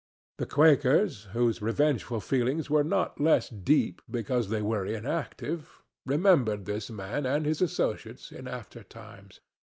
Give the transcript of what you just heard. The Quakers, whose revengeful feelings were not less deep because they were inactive, remembered this man and his associates in after times.